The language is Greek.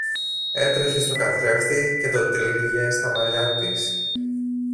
έτρεχε στον καθρέφτη και το τύλιγε στα μαλλιά της.